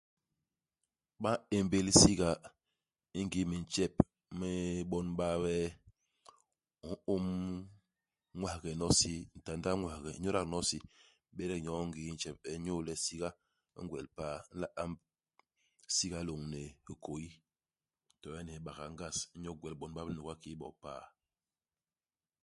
Ba ñémbél siga i ngii i mintjep mi bon ba bie. U ñôm ñwaghe nyono i si, ntandaa u ñwaghe, u nyodak nyono i si, u bedek nyoo i ngii ntjep. Inyu le siga i ngwel paa. U nla amb siga lôñni hikôyi, to le ni hibagaa hi ngas, inyu igwel bon ba binuga kiki bo paa.